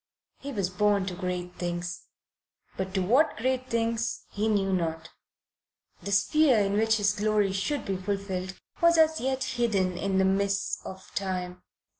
He was born to great things; but to what great things he knew not. The sphere in which his glory should be fulfilled was as yet hidden in the mists of time.